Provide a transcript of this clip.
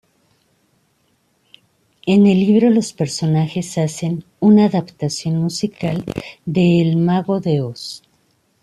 En el libro los personajes hacen una adaptación musical de "El mago de Oz".